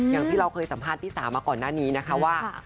อย่างที่เราเคยสัมภาษณ์พี่สาวมาก่อนหน้านี้นะคะว่า